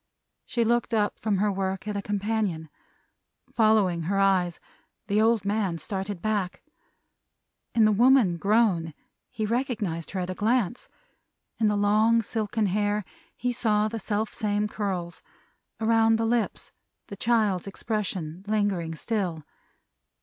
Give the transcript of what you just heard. She looked up from her work, at a companion. Following her eyes, the old man started back. In the woman grown, he recognized her at a glance. In the long silken hair, he saw the self same curls; around the lips, the child's expression lingering still.